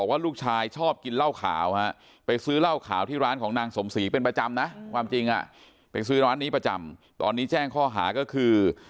ความจริงเป็นสื่อร้านนี้ประจำตอนนี้แจ้งข้อหาก็คือ